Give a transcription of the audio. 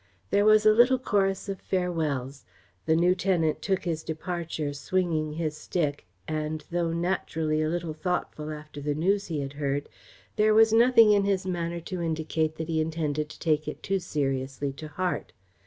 There was a little chorus of farewells. The new tenant took his departure, swinging his stick and, though naturally a little thoughtful after the news he had heard, there was nothing in his manner to indicate that he intended to take it too seriously to heart.